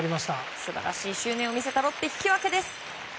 素晴らしい執念を見せたロッテ、引き分けです。